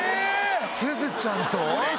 すずちゃんと⁉